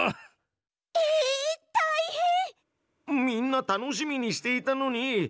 みんな楽しみにしていたのに。